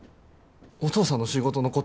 お父さんの仕事のこと